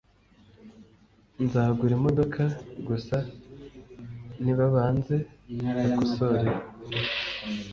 nzagura imodoka gusa nibabanze bakosore feri